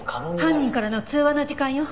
犯人からの通話の時間よ。